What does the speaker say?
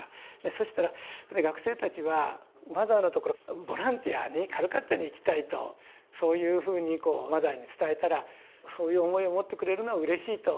そしたらやっぱり学生たちはマザーのところボランティアにカルカッタに行きたいとそういうふうにマザーに伝えたらそういう思いを持ってくれるのはうれしいと。